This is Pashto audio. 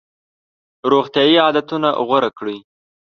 روغتیایي عادتونه غوره کړئ.